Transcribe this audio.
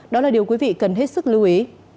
đó là điều quý vị cần hết sức lưu ý